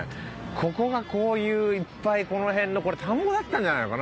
ここがこういういっぱいこの辺のこれ田んぼだったんじゃないのかな？